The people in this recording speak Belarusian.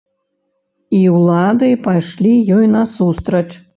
І ўлады пайшлі ёй насустрач.